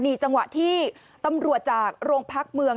จังหวะที่ตำรวจจากโรงพักเมือง